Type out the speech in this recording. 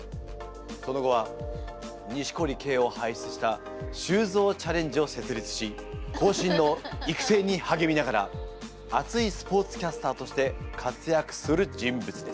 その後は錦織圭をはいしゅつした修造チャレンジを設立し後進の育成にはげみながら熱いスポーツキャスターとして活躍する人物です。